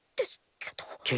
けど？